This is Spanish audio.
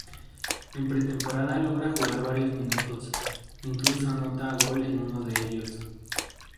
En pretemporada logra jugar varios minutos, incluso anota gol en uno de ellos.